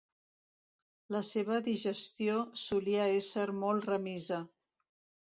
La seva digestió solia ésser molt remisa.